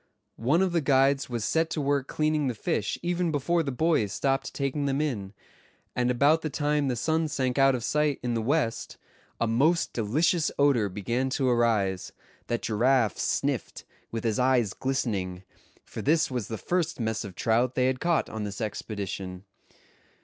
One of the guides was set to work cleaning the fish even before the boys stopped taking them in; and about the time the sun sank out of sight in the west, a most delicious odor began to arise, that Giraffe sniffed, with his eyes glistening; for this was the first mess of trout they had caught on this expedition.